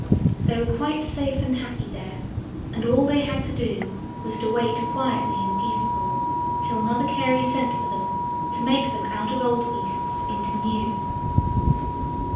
They were quite safe and happy there; and all they had to do was to wait quietly in Peacepool, till Mother Carey sent for them to make them out of old beasts into new.